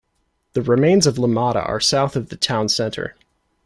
The remains of Limata are south of the town center.